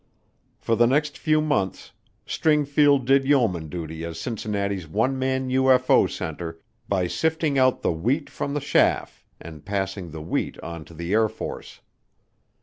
For the next few months Stringfield did yeoman duty as Cincinnati's one man UFO center by sifting out the wheat from the chaff and passing the wheat on to the Air Force.